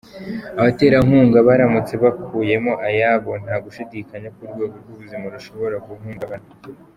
Abaterankunga baramutse bakuyemo ayabo, nta gushidikanya ko urwego rw’ubuzima rushobora guhungabana.